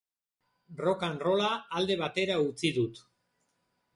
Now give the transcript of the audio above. Rock and rolla alde batera utzi dut.